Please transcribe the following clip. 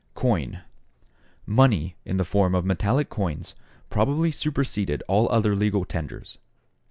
=Coin.= Money, in the form of metallic coins, probably superseded all other legal tenders.